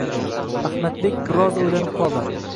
Ahmadbek biroz o’ylanib qoldi.